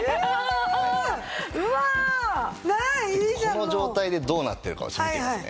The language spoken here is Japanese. この状態でどうなってるかをちょっと見てくださいね。